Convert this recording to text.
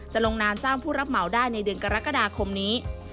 ลงนามจ้างผู้รับเหมาได้ในเดือนกรกฎาคมนี้